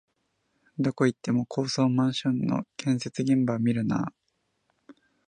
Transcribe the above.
どこ行っても高層マンションの建設現場を見るなあ